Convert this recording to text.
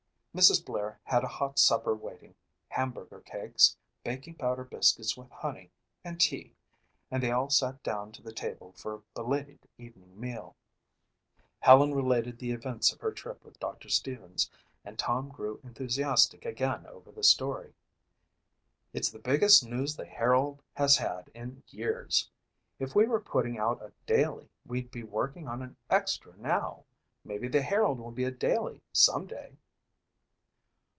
Mrs. Blair had a hot supper waiting, hamburger cakes, baking powder biscuits with honey, and tea, and they all sat down to the table for a belated evening meal. Helen related the events of her trip with Doctor Stevens and Tom grew enthusiastic again over the story. "It's the biggest news the Herald has had in years. If we were putting out a daily we'd be working on an extra now. Maybe the Herald will be a daily some day."